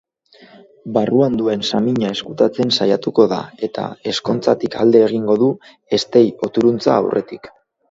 Barruan duen samina ezkutatzen saiatuko da eta ezkontzatik alde egingo du eztei-oturuntza aurretik.